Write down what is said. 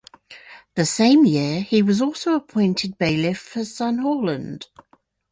The same year he was also appointed bailiff for Sunnhordland.